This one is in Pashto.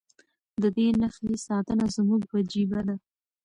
د دې نښې ساتنه زموږ وجیبه ده.